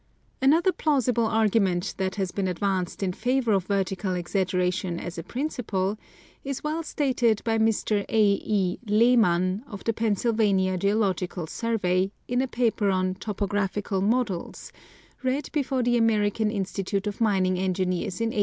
Another plausible argument that has been advanced in favor of vertical exaggeration as a princi ple, is well stated by Mr. A. E. Lehman, of the Pennsylvania Geological Survey, in a paper on " Topographical Models," read before the American Institute of Mining Engineers in 1885.